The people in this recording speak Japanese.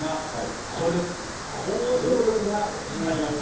交渉力が光りました。